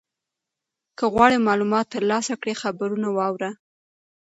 که غواړې معلومات ترلاسه کړې خبرونه واوره.